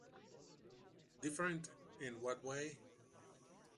Different in what way?